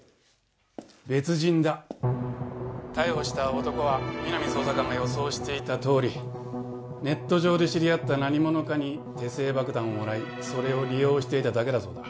別人だ逮捕した男は皆実捜査官が予想していたとおりネット上で知り合った何者かに手製爆弾をもらいそれを利用していただけだそうだ